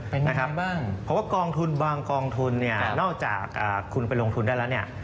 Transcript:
เพราะว่ากองทุนบางกองทุนเนี่ยนอกจากคุณไปลงทุนได้แล้วเนี่ย